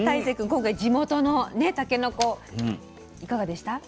今回地元のたけのこいかがでした？